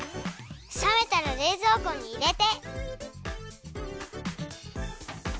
さめたられいぞうこにいれて。